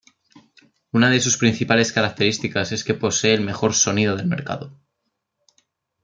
Una de sus principales características es que posee el mejor sonido del mercado.